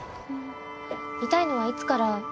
痛いのはいつから？